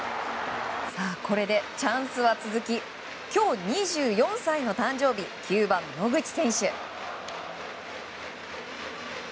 これでチャンスは続き今日２４歳の誕生日９番、野口選手。